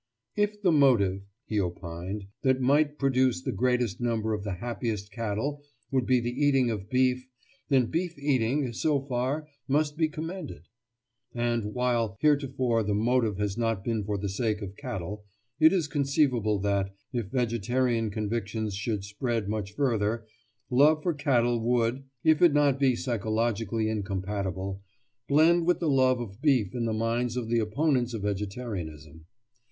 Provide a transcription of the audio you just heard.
"If the motive," he opined, "that might produce the greatest number of the happiest cattle would be the eating of beef, then beef eating, so far, must be commended. And while, heretofore, the motive has not been for the sake of cattle, it is conceivable that, if vegetarian convictions should spread much further, love for cattle would (if it be not psychologically incompatible) blend with the love of beef in the minds of the opponents of vegetarianism.